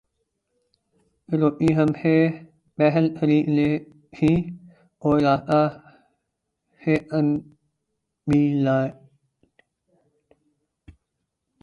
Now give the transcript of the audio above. روٹی ہم نے سے پہل خرید لیں تھیں اور راستہ سےانڈ بھی ل تھے